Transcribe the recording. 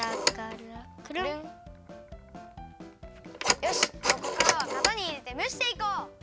よしここからはかたにいれてむしていこう！